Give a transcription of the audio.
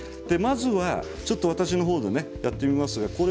ちょっと私のほうでやってみますね。